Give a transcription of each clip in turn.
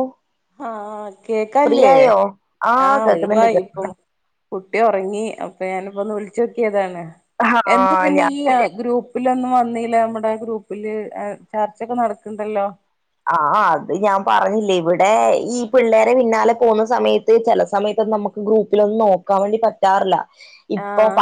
O ആഹ് കേക്കാല്ലേ ആ ആഹ് കേൾക്കുന്നുണ്ട് ഒഴിവായി കേ പ്പൊ കുട്ടി ഒറങ്ങി അപ്പൊ ഞാനിപ്പോ ഒന്ന് വിൾച്ചൊക്കിയതാണ് എന്ത് ആഹ് പിന്നെ ഞാ ഈ ആ ഗ്രൂപ്പ് ഇലൊന്നും വന്നീല അമ്മടെ ഗ്രൂപ്പില് ചർച്ചൊക്കെ നടക്ക്ണ്ടല്ലോ ആ അത് ഞാൻ പറഞ്ഞില്ലേ ഇവിടെ ഈ പിള്ളേരെ പിന്നാലെ പോന്ന സമയത്ത് ചെല സമയത്ത നമ ഗ്രൂപ്പിലൊന്നും നോക്കാൻ വേണ്ടി പറ്റാറില്ല ഇപ്പൊ ആഹ് പ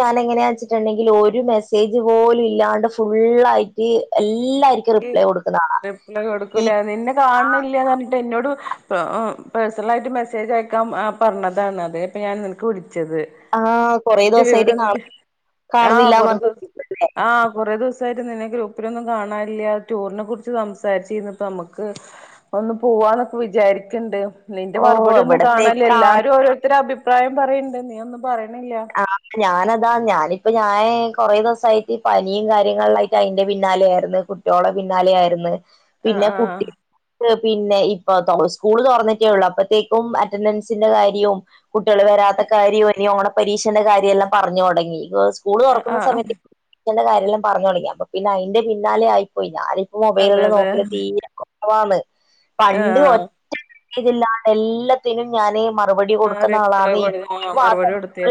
ഞാൻ എങ്ങനെയാ വെച്ചിട്ടുണ്ടെങ്കിൽ ഒരു മെസ്സേജ് പോലും ഇല്ലാണ്ട ഫുള്ളായിട്ട് എല്ലാരി റിപ്ലൈ കൊടുക്കുന്ന ആള ല്ല കൊടുക്കൂല നിന്നെ കാണ്ണില്ല ന്ന് പറഞ്ഞിട്ട് എന്നോട് പ ആ പേഴ്സണൽ ആയിട്ട് മെസ്സേജ് അയക്കാം ആ പർണതാണ് അതേ പ്പെ ഞാൻ ങ്ങൾക്ക് വിളിച്ചത് ആഹ് കൊറേ നിന്റെ ദിവസായിട്ട് കാണ വിവരെന്തൊക്കെ ആഹ് കാണുന്നില്ലാന്ന് [unintelligible] പറഞ്ഞിട്ട് ആഹ് കൊറേ ദിവസായിട്ട് നിന്നെ ഗ്രൂപ്പിലൊന്നും കാണാൻ ഇല്ല ടൂറിനെ കുറിച്ച് സംസാരിച്ചീന്നു പ്പ യമ്മക്ക് ഒന്ന് പോവാന്നൊക്കെ വിചാരിക്ക്ണ്ട് നിന്റെ ഓഹ് മറുപടി ഒന്നും കാണല്ല ഇവിടത്തേക്കാ എല്ലാരു ഓരോരുത്തരു അഭിപ്രായം പറയ്ണ്ട് നീ ഒന്നും പറയ്ണില്ല. ആ പ്പ ഞാനതാ ഞാനിപ്പ ഞായേ കൊറെ ദെവസായിട്ട് പനിയും കാര്യങ്ങൾളിലായിട്ട് അയിന്റെ പിന്നാലെയിര്ന്ന് കു ട്ടിയോളെ പിന്നാലെയായിര്ന്ന് ആഹ് പിന്നെ ആഹ് കുട്ടി ഹ് പിന്നെ ഇപ്പൊ [inaudible] സ്കൂള് തൊർന്നിറ്റേ ഒള്ളു അപ്പത്തേക്കും അറ്റൻഡൻസിന്റെ കാര്യോം കുട്ടിയേള് വരാത്ത കാര്യോ അല്ലേ ഓണപ്പരീഷൻ്റെ കാര്യെല്ലാം പറഞ്ഞു തൊടങ്ങി എർ സ്കൂള് ആഹ് തൊറക്കുന്ന ആഹ് സമയത്ത് ക്കന്റെ കാര്യെല്ലാം പറഞ്ഞു തൊടങ്ങി അപ്പ പിന്നെ അയിന്റെ പിന്നാലെ ആയിപ്പോയി ഞാൻ ഇപ്പൊ അതെ മൊബൈലെല്ലാം അതെ നോക്കല് തീരെ കൊ അതാണ് പണ്ട് ആഹ് ഒറ്റ [inaudible] ഇതില്ലാണ്ട് എല്ലാത്തിനും ഞാന് മ മറുപടി ആഹ് കൊടുക്കുന്ന റിപ്ലൈ ആളാന്ന് കൊടു ഇപ്പൊ ഒരു മാസം മറുപടി [inaudible] കൊടുത്തില്ല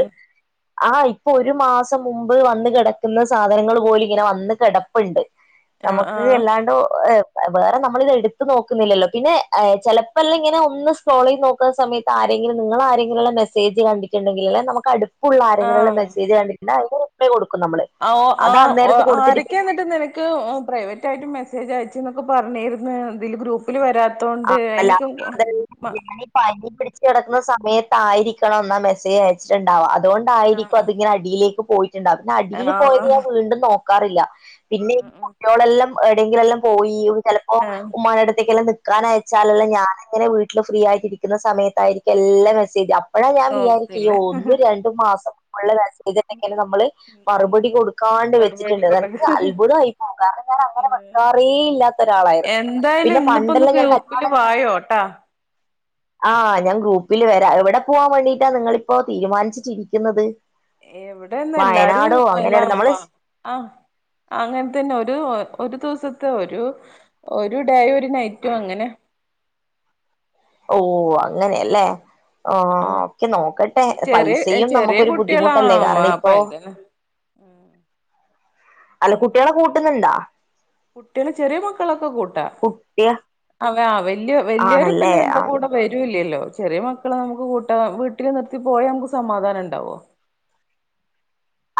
ആഹ് ഇപ്പൊ ഒരു മാസം മുമ്പ് വന്ന് കിടക്ക്ന്ന സാധനങ്ങള് പോലും ഇങ്ങനെ വന്ന് കെടപ്പ്ണ്ട് ആഹ് നമക്ക് ആഹ് എല്ലാണ്ടൊ എഹ് ഏ വേറെ നമ്മള് ഇത് ഇട്ത്തു നോക്കുന്നില്ലല്ലോ പിന്നെ ഏ ചെലപ്പെല്ലാം ഇങ്ങനെ ഒന്ന് സ്‌ക്രോളീത് നോക്ക്ണ സമയ് താരെങ്കിലും നിങ്ങൾ ആരെങ്കിലുള്ള മെസ്സേജ് കണ്ടിട്ടുണ്ടെങ്കില് ലെ നമുക്ക് അടുപ്പുള്ള ആരെങ്കിലു എല്ല ആഹ് മെസ്സേജ് കണ്ടിട്ട് ണ്ടെ അതിന് റിപ്ലൈ കൊടുക്കും നമ്മള് അ ഓ ആ അത് ഓ അന്നേരത്ത് കൊടുത്തിട്ട് ആരൊക്കെ എന്നിട്ട് നിന ക്ക് ഉം പ്രൈവറ്റ് ആയിട്ട് മെസ്സേജ് അയച്ചുന്നൊക്കെ പറഞ്ഞിര്ന്ന് ഇതില് ഗ്രൂപ്പ് പ്പില് വരാത്തോണ്ട് അയ്നൊക്കെ വ ഞാൻ ഈ പനി പിടിച്ച് കെടക്ക്ന്ന സമയത്ത് ആയിരിക്കണം ന്ന മെസ്സേജ് അയച്ചിട്ട്ണ്ടാവാ അതോ ണ്ട് ആയിരിക്കും അത് ആഹ് ഇങ്ങനെ അടിയിലേക്ക് പോയിറ്റ്ണ്ടാവ. പിന്നെ അടിയില് ആഹ് പോയത് ഞാൻ വീണ്ടും നോക്കാറില്ല. പിന്നെ ഈ ആഹ് കുട്ട്യോളെല്ലാം എവിടെങ്കിലെല്ലാം പോയി ചെലപ്പോ ആഹ് ഉമ്മാടടത്തേക്കെല്ലാം നി ക്കാൻ അയച്ചാലെല്ലാം ഞാൻ ഇങ്ങനെ വീട്ടില് ഫ്രീ ആയിട്ടിരിക്ക്ന്ന സമയത്തായിരിക്കും എല്ല മെസ്സേജ പ്പളും ഞാൻ വിചാരിക്കു ഈ നോക്കില്ല ഒന്നു രണ്ടും മാസം [inaudible] [inaudible] നമ്മള് മറുപടി ഉം കൊടുക്കാണ്ട് മറുപടി വെച്ചിട്ടുണ്ട് അത്‌ കൊടുക്ക എനക്ക് അത്ഭുതായി കാരണം ഞാൻ അങ്ങനെ വെക്കാറേ ഇല്ലാത്ത ഒരാളായിരുന്നു എന്തായാലും പിന്നെ ഇന്നിപ്പോ ഒന്ന് പണ്ടെല്ല ഗ്രൂപ്പില് വായോട്ടാ [inaudible] ആഹ് ഞാൻ ഗ്രൂപ്പില് വരാ എവടെ പോവാൻ വേണ്ടീട്ടാ നിങ്ങളിപ്പോ തീരുമാനിച്ചിട്ടിരിക്കുന്നത് എവിടെന്ന് എല്ലാരു വയനാടോ അങ്ങനെ എലാ നമ്മള് വ സ്- ആഹ് അങ്ങൻ തന്നെ ഒരു ഒരു ദിവസത്തെ ഒരു ഒരു ഡേയും ഒരു നൈറ്റും അങ്ങനെ ഓ അങ്ങനെയല്ലേ ആ ആഹ് ഒക്കെ നോക്കട്ടെ ചെറിയ പൈസയും ചെറിയ നമുക്കൊരു കുട്ടികളാ ബുദ്ധിമുട്ടല്ലേ കാരണം അപ്പ ഇപ്പോ ഇതന്നെ [inaudible] അല്ല കുട്ട്യാളെ കൂട്ടുന്നുണ്ടാ കുട്ടിയേള് ചെറി മക്കളൊക്കെ കൂട്ടാ കുട്ടിയ അവ വല്ല്യ വല്ല്യോര് പിന്നെ ആണല്ലേ ഞങ്ങളുടെ ആഹ് കൂടെ വരൂല്ല്യല്ലോ ചെറിയ മക്കളെ നമുക്ക് കൂട്ട വീട്ടിൽ നിർത്തി പോയാ നമുക്ക് സമാധാനം ണ്ടാവോ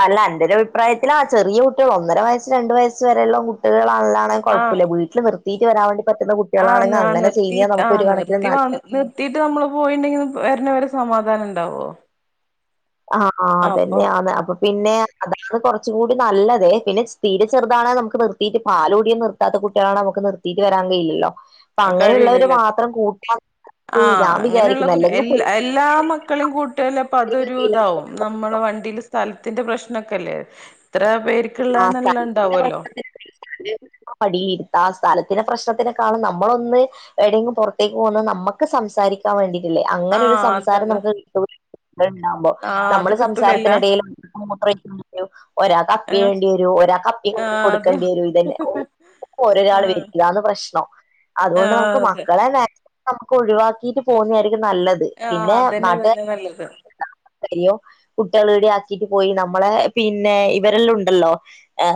അല്ല അന്റെരു അഭിപ്രായത്തില് ആ ചെറിയ കുട്ടിയോൾ ഒന്നര വയസ്സ് രണ്ട് വയസ് വെരെള്ള കുട്ടികളല്ലാ ആഹ് കുഴപ്പില്ല വീട്ടിൽ നിർത്തിയിട്ട് വരാൻ വേണ്ടി പറ്റുന്ന ആഹ് കുട്ടികളാണെങ്കെ ആ അങ്ങനെ ചെയ്യുന്ന്യ നമുക്ക് ഒരു കണക്കിന് നല്ലത് ത്തീട്ട് നമ്മള് പോയിണ്ടെങ്കിൽ വരണവരെ സമാധാനണ്ടാവോ ആ ആഹ് അതന്നെ ആന്ന് അപ്പൊ പിന്നെ അതാണ് കുറച്ചുകൂടി നല്ലത് പിന്നെ തീരെ ചെറുതാണെ നമുക്ക് നിർത്തിട്ട് പാലൂടിം നിർത്താത്ത കുട്ടിയാളെ നമുക്ക് നിർത്തിട്ട് വരാൻ കഴയില്ലല്ലോ അപ്പൊ അങ്ങനെയുള്ളവരെ മാത്രം കൂട്ടാ ആ ഞാൻ അങ്ങനെയുള്ള വിചാരിക്കുന്നെ. കു അല്ലെങ്കി എല്ലാ എല്ലാ മക്കളേം കൂട്ട്യാല് അപ്പൊ അതൊരു നമ്മള് വണ്ടിൽ സ്ഥലത്തിന്റെ പ്രശ്നൊക്കെല്ലേ ഇത്ര പേര് ക്ക്ള്ള ന്ന്ള്ള ഇണ്ടാവൊല്ലോ മടിയിരുത്ത ആ സ്ഥലത്തിന്റെ പ്രശ്നത്തിനെക്കാളും നമ്മളൊന്ന് ഏടെങ്കിലും പുറത്തേക്ക് പോകുന്നത് നമ്മക്ക് സംസാരിക്കാൻ വേണ്ടിയിട്ടല്ലേ അങ്ങനെ ഒരു ആഹ് അതെ സംസാരം അതെ നമുക്ക് കിട്ടൂല ണ്ടാവുമ്പോ ആഹ് അത് നമ്മള് കിട്ടൂലല്ല സംസാരത്തിനിടയിൽ മൂത്രഴിക്കാൻ വെരു ഒരാൾക്ക് അപ്പി ആഹ് വേണ്ടിരും ഒരാക്ക് അപ്പികൈകി ആഹ് അത് കൊട്ക്കേണ്ടി വെരും ഇതെന്നെ ഓഹ് ഓരോരാൾ ആഹ് വെയിറ്റില്ല ആന്ന് പ്രശ്നം അതുകൊണ്ട് ആഹ് നമുക്ക് അതെ മക്കളെ നേ നമുക്ക് ഒഴിവാക്കിട്ട് പോവുന്നായിരിക്കും നല്ലത് ആഹ് പിന്നെ അതന്നെ നാട്ടുകാർ അതന്നെ നല്ലത് യ്യോ കുട്ടിയാളെ ഇവിടെ ആക്കീട്ട് പോയി നമ്മളെ പിന്നെ ഇവരെല്ലാം ഉണ് ണ്ടല്ലോ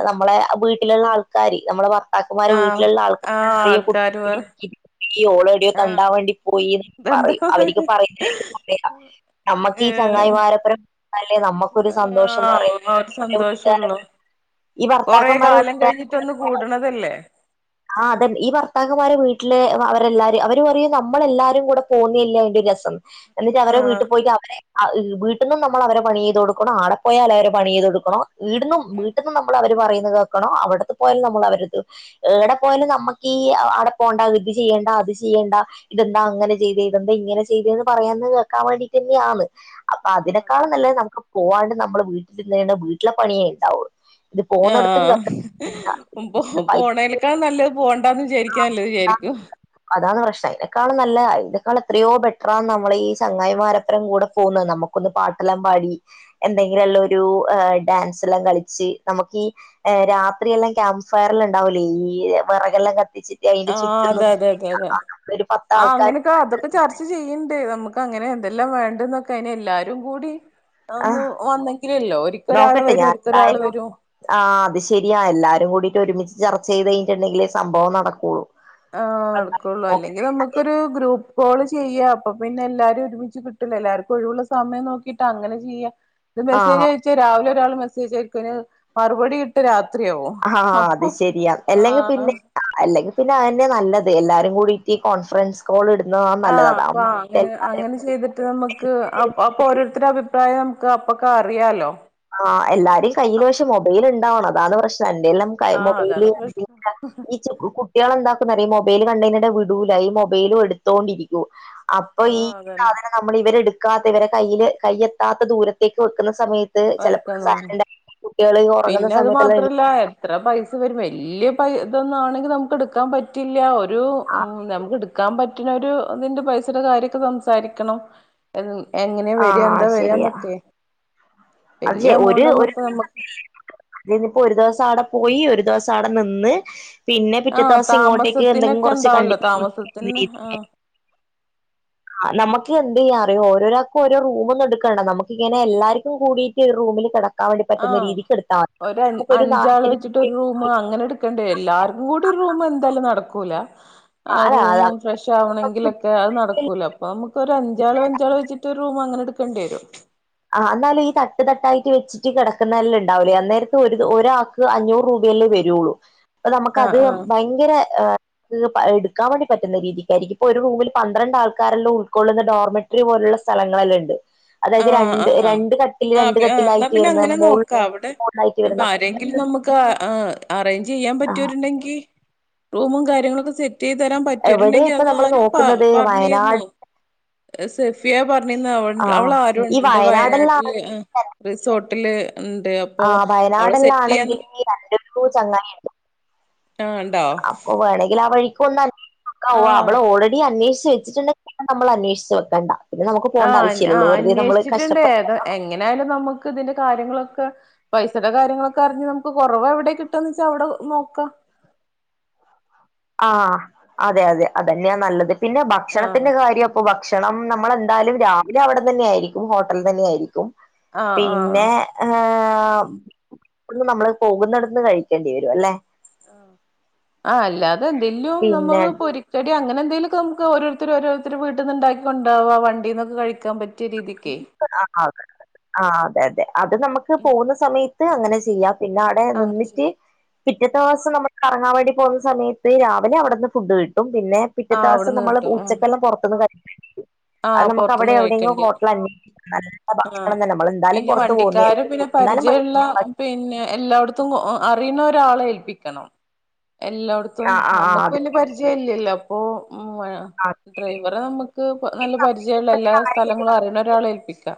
നമ്മളെ വീട്ടിലുള്ള ആൾക്കാർ നമ്മളെ ഭർ താക്കന്മാരെ ആഹ് വീട്ടിലുള്ള ആൾക്കാര് ആഹ് ആൾക്കാര് പറ ചെറിയക്കുട്ടിനെ [unintelligible] പോയി ഓൾ ആഹ് തെണ്ടാൻ വേണ്ടി പോയീന്ന് ഇതെന്താ പറയും അവര്ക്ക് പറയുന്നത് എനിക്ക് [inaudible] നമ്മുക്കീ ഏഹ് ചങ്ങായിമാരപ്രം അല്ലെ നമ്മുക്കൊരു സന്തോഷംന്ന് ആഹ് പറയുന്നത് ആ ഒരു എൻ്റെ വീട്ടുകാര് സന്തോഷള്ളൂ ഈ ഭർത്താക്കന്മാരെ വിട്ട [inaudible] തല്ലേ ആ അതന്നെ ഈ ഭർത്താക്കന്മാരെ വീട്ടില് അവ അവരെല്ലാര് അവര് പറയും നമ്മളെല്ലാരും കൂടെ പോന്നല്ലേ അതിന്റെ രസം എന്ന്ച്ച അവരെ ആഹ് വീട്ടിൽ പോയിട്ട് അവരെ ആഹ് വീട്ടുന്നും നമ്മള് അവരെ പണി ചെയ്ത് കൊടുക്കണം ആടെ പോയാല് അവരെ പണി ചെയ്ത് കൊടുക്കണം വീട്ന്നും വീട്ടിൽന്നും നമ്മൾ അവര് പറയുന്നത് കേക്കണം അവിടുന്ന് പോയലും നമ്മൾ അവര ഏടെ പോയാലും നമ്മക്കീ അടെ പോണ്ട ഇത് ചെയ്യേണ്ട അത് ചെയ്യേണ്ട ഇതെന്താ അങ്ങനെ ചെയ്തെ ഇതെന്താ ഇങ്ങനെ ചെയ്തെന്ന് പറയാന്ന് കേൾക്കാൻ വേണ്ടിട്ട് തന്നെ ആന്ന് അപ്പൊ ആഹ് അതെ അതിനെക്കാളും അതെ നല്ലത് നമുക്ക് പോവാണ്ട് നമ്മള് വീട്ടിലിരുന്നെന്ന വീട്ടിലെ പണിയേ ഇണ്ടാവുള്ളൂ ഇത് പോന്നടത്തും ആഹ് [inaudible] പൈ ക്കാ നല്ലത് പോണ്ടന്ന് വിചാരിക്കാ നല്ലത് വിചാരിക്കും അതാണ് പ്രശ്നം അതിനെക്കാൾ നല്ലത് ഇതിനേക്കാളും എത്രയോ ബെറ്ററാണ് നമ്മളെ ഈ ചങ്ങായിമാരപ്പരം കൂടെ പോന്നത് നമു ഒന്ന് പാട്ടെല്ലാം പാടി എന്തെങ്കിലുള്ളൊരു ഡാൻസ് എല്ലാം കളി ച്ച് നമുക്ക് ഈ ഏഹ് രാത്രിയെല്ലാം ക്യാമ്പ് ഫയറൽ ഇണ്ടാവൂലേ ഈ വിറകെല്ലാം കത്തിച്ച് അതിന്റെ ആഹ് ചുറ്റും [inaudible] അതെ അതെ അതെ അതെ അങ്ങൻത്തൊരു ആഹ് പത്താൾക്കാര് അങ്ങനെയൊക്കെ അതൊക്കെ ചർച്ച ചെയ്യ്ണ്ട്നമക്ക് അങ്ങനെ എന്തെല്ലാം വേണ്ടേന്നൊക്കെ അയിനു എല്ലാരും കൂടി ആ ഒന്ന് വന്നെങ്കിലല്ലോ ഒരിക്ക ഒരാൾ നോക്കട്ടെ വരും ഞാൻ ഒരിക്കൊരാള് എന്തായാലും വരും ആ അത് ശരിയാ എല്ലാരും കൂടിയിട്ട് ഒരുമിച്ച് ചർച്ച ചെയ്ത് കഴിഞ്ഞിട്ടുണ്ടെങ്കിലേ സംഭവം നടക്കൊള്ളൂ ആ നടക്കൊള്ളൂ അല്ലെങ്കിൽ നമ ക്കൊരു ഗ്രൂപ്പ് കോള് ചെയ്യാ അപ്പ പിന്നെ എല്ലാരും ഒരുമിച്ച് കിട്ടുല്ലെ എല്ലാവർക്കും ഒഴിവുള്ള സമയം നോ കിട്ട് അങ്ങനെ ചെയ്യാ ഇത് ആ മെസ്സേജ് അയച്ചാ രാവിലെ ഒരാള് മെസ്സേജ് അയക്കും അയിന് മറുപടി രാത്രിയാവും ആഹ് അപ്പൊ അത് ശരിയാ അല്ലെങ്കിൽ ആഹ് പിന്നെ അല്ലെങ്കിൽ പിന്നെ അതെന്നെ നല്ലത് എല്ലാരും കൂടിട്ട് ഈ കോൺഫറൻസ് കോൾ ഇടുന്നത നല്ലതാ ആഹ് അപ്പൊ അതാകുമ്പോ അങ്ങനെ എല്ലാവരും അങ്ങനെ ചെയ്തിട്ട് നമുക്ക് അപ്പൊ ഓരോരുടെ അഭിപ്രായം നമുക്ക് അപ്പൊക്കെ അറിയാലോ ആഹ് എല്ലാരും കയ്യില് പക്ഷേ മൊബൈൽ ഇണ്ടാവണം അതാണ് പ്രശ്നം അല്ലേൽ നമ്മക് കയ്യിൽ ആഹ് മൊബൈൽ അതാണ് [inaudible] പ്രശ്നം കുട്ടികളെന്താക്കുന്ന അറിയോ മൊബൈൽ കണ്ടെയ്നാ വിടൂലാ ഈ മൊബൈലും എടുത്ത് തോണ്ടി ഇരിക്കും അപ്പൊ ഈ ആഹ് അതാണ് സാധനം നമ്മള് ഇവര് എടുക്കാതെ ഇവരെ കയ്യില് കയ്യെത്താത്ത ദൂരത്തേക്ക് വെക്കുന്ന സമയത്ത് വർക്കന്നോ ചിലപ്പോ [inaudible] കുട്ടികൾ ഉറങ്ങുന്ന സമയത്ത് ഇത്ര പൈസ വരും വലിയ പൈസാ ഇതൊന്നും ആണെങ്കിൽ നമുക്ക് എടുക്കാൻ പറ്റില്ല ഒരു നമുക്ക് എടുക്കാൻ പറ്റുന്ന ഒരു ഇതിന്റെ പൈസയുടെ കാര്യക്കെ സംസാരിക്കണം എങ്ങനെയാ വരിക ആഹ് എന്താ വരികാ ശരിയാ എന്നൊക്കെ അത് വലിയ എമൗണ്ട് ഒന്നു. ഇപ്പോ നമ്മക്ക് ഇതിപ്പോ ഒരു ദിവസം അവിടെ പോയി ഒരു ദിവസം അവിടെ നിന്ന് പിന്നെ പിറ്റേ ആഹ് ദിവസം ഇങ്ങോട്ടേക്ക് എന്തെങ്കും താമസത്തിനൊക്കെ കുറച്ച് കണ്ടി ഉണ്ടാവല്ലോ [inaudible] താമസത്തിന് ആഹ് ആ നമുക്ക് എന്ത് ചെയ്യാ അറിയോ ഓരോരാൾക്ക് ഓരോ റൂം എടുക്കണ്ട നമുക്കിങ്ങനെ എല്ലാരിക്കും കൂടിട്ട് ഒരു റൂമിൽ കിട കിടക്കാൻ വേണ്ടി പറ്റുന്ന ആഹ് രീതിക്ക് എടുത്താൽ ഒരു മതി നമുക്കൊരു അഞ്ചാള് നാല് വെച്ചിട്ട് ഒരു റൂം അങ്ങനെ എടുക്കണ്ടേ എല്ലാർക്കും കൂടി ഒരു റൂം എന്തായാലും നടക്കൂല ആ അല്ല റൂമും ഫ്രഷ് ആവണെങ്കിലൊക്കെ അത് നടക്കു ക്കൂല അപ്പൊ നമുക്കൊരു അഞ്ചാള് അഞ്ചാള് വെച്ചിട്ട് ഒരു റൂം അങ്ങനെ എടുക്കേണ്ടി വരും ആ എന്നാലും ഈ തട്ട് തട്ടായിട്ട് വെച്ചിട്ട് കിടക്കുന്നെല്ലാം ഉണ്ടാവില്ലേ അന്നേരത്തെ ഒരു ആൾക്ക് അഞ്ഞൂറ് രൂപയല്ലേ വരുള്ളൂ അത് നമുക്ക് ആ അത് ആ ഭയങ്കര എടുക്കാൻ വേണ്ടി പറ്റുന്ന രീതിക്കായിരിക്കും ഇപ്പൊ ഒരു റൂമിൽ പന്ത്രണ്ട് ആൾക്കാരെല്ലാം ഉൾക്കൊള്ളുന്ന നോർമൽ ത്തിരി പോലുള്ള സ്ഥലങ്ങളെല്ലാം ഇണ്ട് ആഹ് ആഹ് ആഹ് രണ്ട് എന്നാ കട്ടിലായിട്ട് പിന്നെ വരുന്ന അങ്ങനെ മോൾ നോക്കാം അവിടെ മോളിലായിട്ട് ഇപ്പൊ വരുന്ന ആരെങ്കിലും നമുക്ക് നമ്മക്ക് ആ അറേഞ്ച് ചെയ്യാൻ ആ പറ്റിയവരുണ്ടെങ്കിൽ [inaudible] റൂമും കാര്യങ്ങളൊക്കെ സെറ്റ് ചെയ്തു തരാൻ എവിടെ പറ്റുവരുണ്ടെങ്കിൽ ഇപ്പൊ അത് നമ്മൾ ആരോ നോക്കുന്നത് പറഞ്ഞിരുന്നു വയനാട് സെഫിയ പറഞ്ഞിരുന്നു അവിടെ ആ അവളുടെ ആരോ ഈ ഉണ്ട് വയനാടെല്ലാം വയനാട്ടില് റിസോ. ർട്ടില് ഉണ്ട് അപ്പോ അവള് സെറ്റ് ചെയ്യാൻ എനിക്ക് രണ്ട് മൂന്നു ചെങ്ങയി ഇണ്ട് ആ ഉണ്ടോ അപ്പ വേണങ്കിൽ ആ വഴിക്ക് ഒന്ന് അന്വേഷിച്ചു നോക്കാ ആഹ് അവള് ഓൾറെഡി അന്വേഷിച്ച വെച്ചിട്ടുണ്ടെൽ നമ്മ അന്വേഷിച്ച് വെക്കണ്ട പിന്നെ നമക്ക് പോണ്ട ആശ്യലുള്ളൂ വെറുതെ നമ്മ കഷ്ടപ്പെടാനാടാ എങ്ങനെയായാലും നമുക്ക് ഇതിന്റെ കാര്യങ്ങളൊക്കെ പൈസയുടെ കാര്യങ്ങളൊക്കെ അറിഞ് നമുക്ക് കുറവ് എവിടെ കിട്ടന്ന് വെച്ചാ അവിടെ നോക്കാം ആഹ് അതെ അതെ അതന്നെയാ നല്ലത് പിന്നെ ആഹ് ഭക്ഷണത്തിന്റെ കാര്യം ഇപ്പൊ ഭക്ഷണം നമ്മൾെന്തായാലും രാവിലെ അവിടെ തന്നെ ആയിരിക്കും ഹോട്ടൽ തന്നെ ആയിരിക്കും ആഹ് ആഹ് പിന്നെ ആഹ് പിന്നെ നമ്മള് പോകുന്നിടന്ന് കഴിക്കേണ്ടി വരുംല്ലെ ആ അല്ലാതെ എന്തെലും പിന്നെ നമ്മള് പൊരി എടി അങ്ങനെന്തെലുംക്കെ നമുക്ക്ഓരോരുത്തർ ഓരോരുത്തൊരു വീട്ടിൽ നിന്ന്ണ്ടാക്ക കൊണ്ടവാ വണ്ടീന്നക്കെ കഴിക്കാൻറ്റും പറ്റിയ രീതിക്ക് ആ അ ആ അതെ അതെ അത് നമുക്ക് ഉം പോകുന്ന സമയത്ത് അങ്ങനെ ചെയ്യാം പിന്നെ അവിടെ ആഹ് നിന്നിട്ട് പിറ്റേതെ ദിവസം നമ്മുടെ കറങ്ങാൻ പോകുന്ന സമയത്ത് രാവിലെ അവിടുന്ന് ഫുഡ് കിട്ടും പിന്നെ പിറ്റേ ആഹ് ദിവസം അവിടുന്ന് നമ്മള് കിട്ടും ഉം ഉച്ചക്കെല്ലാം പുറത്തന്ന് അ ആഹ് നമുക്ക് അവിടെ പൊറത്തുന്ന് എവിടെയെങ്കിലും കഴിക്കേണ്ടി വരും ആഹ് പിന്നെ വണ്ടിക്കാര് പിന്നെ [unintelligible] പരിചയള്ള പിന്നെ എല്ലായിടത്തും അറിയുന്ന ഒരാളെ ഏൽപ്പിക്കണം എല്ലോ ആഹ് നമ്മുക്ക് ആഹ് പിന്നെ പരിചയല്ലല്ലോ അപ്പൊ ആഹ് അതെ ഡ്രൈവറെ നമുക്ക് നല്ല ആഹ് പിന്നെ പരിചയള്ള നമ്മുടെ കൂട്ടത്തിൽ എല്ലാ ആരെ സ്ഥലങ്ങളും അറിയണ ഒരാളേ ഏൽപ്പിക്കാം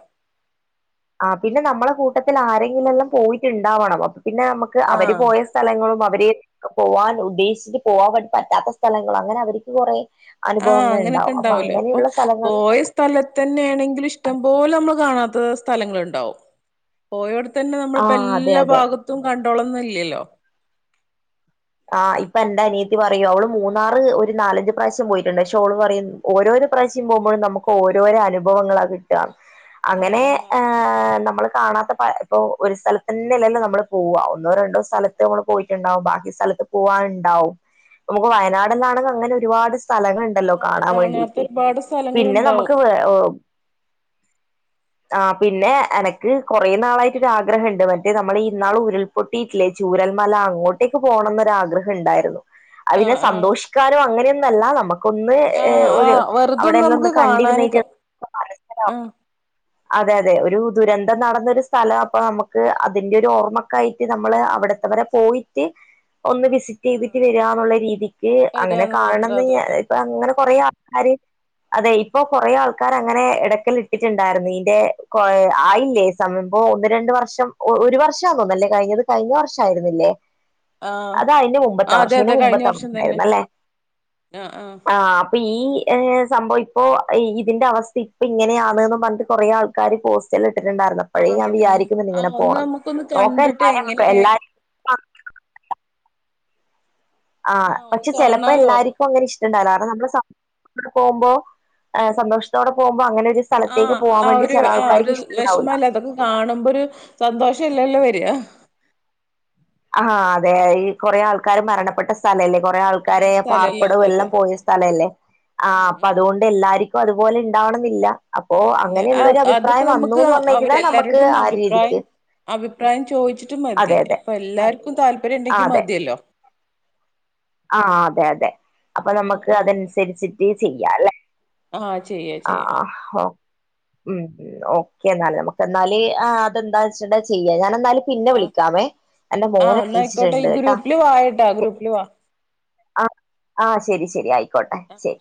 ആ പിന്നെ നമ്മളെ കൂട്ടത്തിൽ ആരെങ്കിലെല്ലാം പോയിട്ടുണ്ടാവണം അപ്പൊ പിന്നെ നമുക്ക് അവര് ആഹ് പോയ സ്ഥലങ്ങളും അവരെ പോവാൻ ഉദ്ദേശിട്ട് പോവാൻേി പറ്റാത്ത സ്ഥലങ്ങളും അങ്ങനെ അവർക്ക് കുറെ ആഹ് അനുഭവങ്ങൾ ഉണ്ടാവും അപ്പൊ അങ്ങനെയുള്ള സ്ഥലങ്ങൾ സ്ഥല തന്നെയാണെങ്കും ഇഷ്ടം പോലെ നമ്മള് കാണാത്ത സ്ഥലങ്ങളണ്ടാവും പോയടെതന്നെ നമ്മളിപ്പോ ആഹ് അതെ എല്ലാ അതെ ഭാഗത്തും കണ്ടോളന്നല്ലല്ലോ ആ് ഇപ്പൊ എന്റെ അനിയത്തി പറയൂ അവള് മൂന്നാറ് ഒരു നാലഞ്ചച് പ്രാവശ്യം പോയിട്ടുണ്ട് പക്ഷെ ഓള് പറയും ഓരോരോ പ്രാവശ്യം പോകുമ്പോഴ നമുക്ക് ഓരോരോരനുഭവങ്ങളാണ് കിട്ട അങ്ങനെ ആഹ് ആഹ് ഹ നമ്മള് കാണാത്ത പ ഇപ്പൊ ഒരു സ്ഥലത്തന്നെല്ലല്ല നമ്മള് പോവാ ഒന്നോ രണ്ടോ സ്ഥലത്ത് നമ്മൾ പോയിട്ടുണ്ടാവും ബാക്കി സ്ഥല പോവൻണ്ടാവും നമുക്ക് വയനാടാണെങ്കിൽ അങ്ങനെ ഒരുപാട് സ്ഥലങ്ങളണ്ട് ണ്ടല്ലോ ആഹ് കാണാൻ കാണാത്ത വേണ്ടിട്ട് ഒരുപാട് പിന്നെ സ്ഥലങ്ങളുണ്ടാവും നമുക്ക് ആ പിന്നെ എനക്ക് കുറെേ നാളായിട്ട്രാഗ്രഹമുണ്ട് മറ്റേ നമ്മൾ നാൾ ഉരുൾ പൊട്ടിയിട്ടില്ലേ ചൂരൽമല അങ്ങോട്ടേൊക്കെ പോകണം ആഗ്രഹം ഉണ്ടായിരുന്നു അയ് പിന്നെ ആഹ് ആഹ് സന്തോഷിക്കാനോ അങ്ങനെയൊന്നല്ല നമുക്ക് ഒന്ന് ആഹ് ഒരു ആഹ് വെറുതൊന്ന് അവിടെയല്ലാം ഒന്ന് നമുക്ക് കണ്ടിരുന്നട്ട് കാണാനൊക്കെ ആഹ് അതെ അതെ ഒരു ദുരന്തം നടന്നൊരു സ്ഥലം അപ്പോൾ നമുക്ക് അതിന്റെറെ ഒരു ഓർമ്മക്കായിട്ട് നമ്മൾ അവിടുത്തെവരെ പോയിട്ട് ഒന്ന് വിസിറ്റയ്തിട്ട് വരാ എന്നുള്ള രീതിക്ക് അങ്ങനെ വരാന്ന് മാത്രം കാണണംന്ന് അതെ അതെ അ അങ്ങനെ കൊറേ ആൾക്കാാര് അതെ ഇപ്പൊ കൊറേ ആൾക്കാർ അങ്ങനെ ഇടയ്ക്കൽ ഇട്ടിട്ടുണ്ടായിരുന്നു ഇന്റെ ആയില്ലേ സമയപ്പോ ഒന്ന് രണ്ട് വർഷം ഒരു വർഷംന്നോന്ന അല്ലെ കഴിഞ്ഞത് കഴിഞ്ഞ വർഷം ആരുന്നില്ലേ ആഹ് അത അതിന്റെ മുമ്പത്തെ ആഹ് അതെ വർഷം ഇന്റെ അതെ കഴിഞ്ഞ മുമ്പത്തെ വർഷം തന്നെ വർഷയിുന്നല്ലേ ആഹ് അപ്പൊ ഈ സംഭവം ഇപ്പോ ഇതിന്റെ അവസ്ഥ ഇപ്പൊ ഇങ്ങനെയാണ്ന്ന് പറഞ്ഞിട്ട് കൊറെേ ആൾക്കാർ പോസ് ഇട്ടിട്ടുണ്ടായിരുന്നു അപ്പോഴേ ആഹ് ഞാൻ ഇടുന്നു വിാരിക്കുന്നുണ്ട് ഇങ്ങനെ ആഹ് ഒന്ന് പോണം നമുക്കൊന്ന് നോക്ക കണ്ടിട്ട് എല്ലും എങ്ങനെ എല്ലാരും ആഹ് ഒന്ന് പക്ഷെ ചിലപ്പോ കാണാലോ എല്ലാർക്കും അങ്ങനെ ഇഷ്ടം കാരണം നമ്മ പോകുമ്പോ സന്തോഷത്തോടെ പോകുമ്പോ അങ്ങനെ ഒരു സ്ഥലത്തേക്ക് ആഹ് പോവാൻ ആഹ് വേണ്ടി ഒരു ചെല ആഹ് ആൾക്കാർക്ക് ഒരു ഇഷ്ടണ്ടാവില്ല വിഷമല്ല അതൊക്കെ കാണുമ്പോ ഒരു സന്തോഷം ഇല്ലല്ലോ വെര ആഹ് അതെ ഈ കൊറേ ആൾക്കാർ മരണപ്പെട്ട സ്ഥലല്ലേ കൊറേ ആൾക്കാ ക്കാരെ ആഹ് പാർപ്പിടവും സ്ഥലല്ലാതെ എല്ലം അതെ പോയ സ്ഥലല്ലേ അഹ് ഉം ഉം അപ്പത്കൊണ്ട് എല്ലാരിക്കും അതുപോലെ ണ്ടാവണെന്നില്ല അപ്പോ ഇല്ല ആ അങ്ങനെയുള്ളൊരു അതിപ്പോ അഭിപ്രായം നമുക്ക് വന്നുന്ന് പറഞ്ഞയ് [unintelligible] നമ്മക്ക് അവരെല്ലാരോടും ഒന്ന് ആ അഭിപ്രായം രീതിക്ക് അഭിപ്രായം ചോയിച്ചിട്ട് അതെ മതി അതെ അപ്പൊ എല്ലാർക്കും താല്പര്യം ആഹ് ണ്ടെങ്കി അതെ മതിയല്ലോ ആഹ് അതെ അതെ അപ്പൊ നമ്മക്ക് ആ അതനുസരിച്ചിട്ട് ചെയ്യാല്ലെ ആ ആ ചെയ്യാ അഹ് ചെയ്യാ ആഹ് ഒ ഉം ഉ ഓക്കെ ന്നാല് നമ്മക്ക് എന്നാല് അതെന്താ വച്ചുണ്ടാ ചെയ്യാ ഞാൻ എന്താലും പിന്നെ ആ വിളിക്കാവേ എന്റെ മോനെ ണീച്ചിട്ട്ണ്ട് കെട്ടാ വായോ ട്ടാ ഗ്രൂപ്പില് വാ ആഹ് ആഹ് ശരി ശരി ആയിക്കോട്ടെ ശരി